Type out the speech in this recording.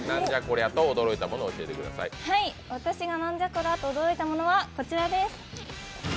私が「なんじゃこりゃ！」と驚いたものは、こちらです。